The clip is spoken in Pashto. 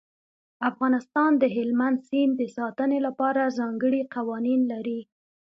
افغانستان د هلمند سیند د ساتنې لپاره ځانګړي قوانین لري.